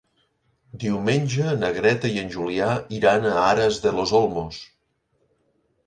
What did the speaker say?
Diumenge na Greta i en Julià iran a Aras de los Olmos.